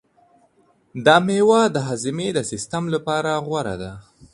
دا مېوه د هاضمې د سیستم لپاره غوره ده.